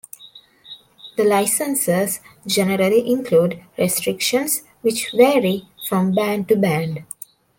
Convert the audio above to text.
The licenses generally include restrictions, which vary from band to band.